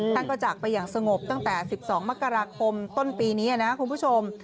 ท่านก็จากไปอย่างสงบตั้งแต่๑๒มกราคมต้นปีนี้นะคุณผู้ชม